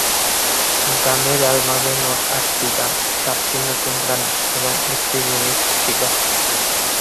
গানের অ্যালবামে মোট আটটি গান, সাতটি নতুন গান এবং একটি রিমিক্স ছিল।